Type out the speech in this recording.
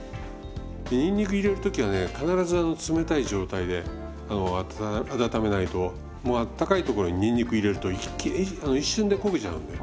にんにく入れる時はね必ず冷たい状態で温めないとあったかい所ににんにく入れると一瞬で焦げちゃうんで。